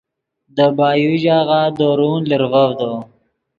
دے بایو ژاغہ درون لرڤڤدو